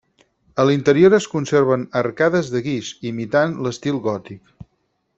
A l'interior es conserven arcades de guix, imitant l'estil gòtic.